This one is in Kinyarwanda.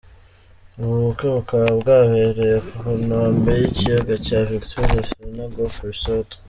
Ubu bukwe bukaba bwabereye ku nombe y’ikiyaga cya Victoria Serena Golf Resort.